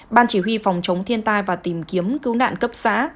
ban chỉ huy phòng chống thiên tai và tìm kiếm cứu nạn cấp xã